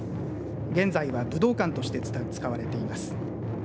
現在は武道館として使われています。